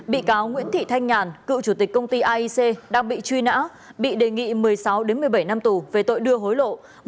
bị cáo nguyễn thị thanh nhàn cựu chủ tịch công ty aic đang bị truy nã bị đề nghị một mươi sáu một mươi bảy năm tù về tội đưa hối lộ